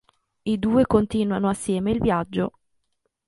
I due continuano assieme il viaggio.